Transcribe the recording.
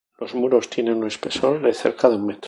Los muros tienen un espesor de cerca de un metro.